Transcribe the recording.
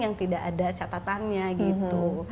yang tidak ada catatannya gitu